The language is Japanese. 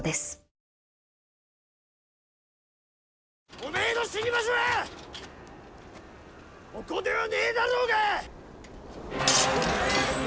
おめえの死に場所はここではねえだろうが！